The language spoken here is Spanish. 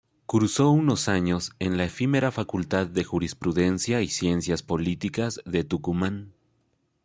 Cursó unos años en la efímera Facultad de Jurisprudencia y Ciencias Políticas de Tucumán.